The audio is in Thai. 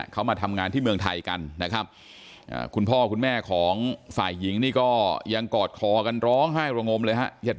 เขามาทำงานที่เมืองไทยกันนะครับคุณพ่อคุณแม่ของฝ่ายหญิงนี่ก็ยังกอดคอกันร้องไห้ระงมเลยฮะ